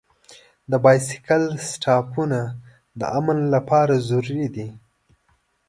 د بایسکل سټاپونه د امن لپاره ضروري دي.